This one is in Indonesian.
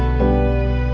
aku mau ke sana